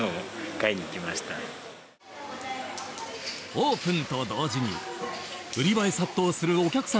オープンと同時に売り場へ殺到するお客さんたち。